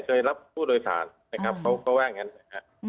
เคยรับผู้โดยสารนะครับเขาก็ว่างั้นนะฮะ